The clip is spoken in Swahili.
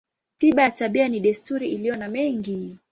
Tiba ya tabia ni desturi iliyo na mengi.